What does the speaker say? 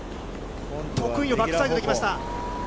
得意のバックサイドできました。